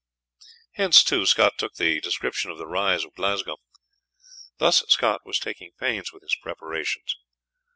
Hence, too, Scott took the description of the rise of Glasgow. Thus Scott was taking pains with his preparations.